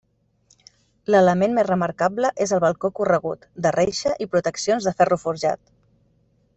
L'element més remarcable és el balcó corregut, de reixa i proteccions de ferro forjat.